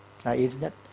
đó là ý thứ nhất